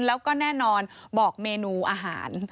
แล้วก็แน่นอนบอกเมนูอาหาร